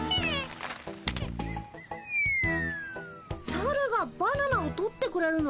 サルがバナナを取ってくれるの？